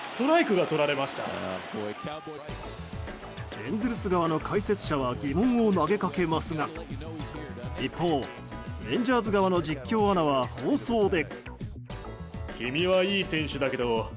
エンゼルス側の解説者は疑問を投げかけますが一方、レンジャーズ側の実況アナは放送で。